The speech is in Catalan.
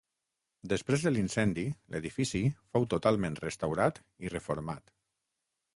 Després de l'incendi, l'edifici fou totalment restaurat i reformat.